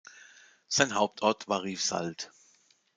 Sein Hauptort war Rivesaltes.